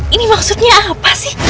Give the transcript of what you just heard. ini maksudnya apa sih